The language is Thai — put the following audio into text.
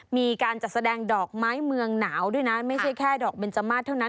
มีการจัดแสดงดอกไม้เมืองหนาวด้วยนะไม่ใช่แค่ดอกเบนจมาสเท่านั้น